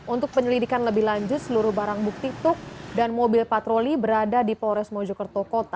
untuk penyelidikan lebih lanjut seluruh barang bukti truk dan mobil patroli berada di polres mojokerto kota